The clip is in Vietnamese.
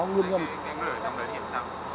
cái người trong đó hiểm sao